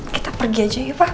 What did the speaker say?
kita pergi aja ya pak